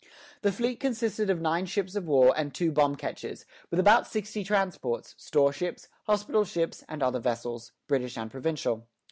The fleet consisted of nine ships of war and two bomb ketches, with about sixty transports, store ships, hospital ships, and other vessels, British and provincial.